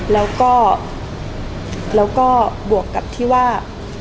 แล้วก็บวกกับที่ว่า